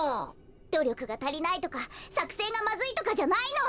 どりょくがたりないとかさくせんがまずいとかじゃないの。